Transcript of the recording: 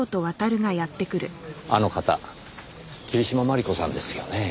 あの方桐島万里子さんですよね？